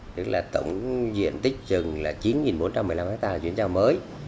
tức là tổng diện tích rừng là chín bốn trăm một mươi năm hectare chuyển giao mới